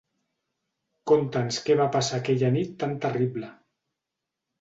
Conta'ns què va passar aquella nit tan terrible.